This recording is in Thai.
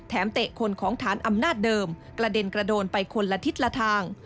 เตะคนของฐานอำนาจเดิมกระเด็นกระโดนไปคนละทิศละทาง